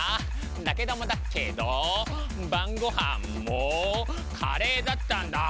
だけどもだけど晩ごはんもカレーだったんだ。